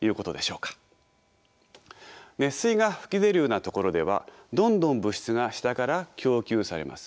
熱水が噴き出るような所ではどんどん物質が下から供給されます。